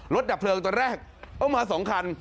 ดับเพลิงตอนแรกเอามา๒คัน